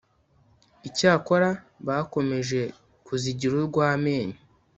Icyakora bakomeje kuzigira urw amenyo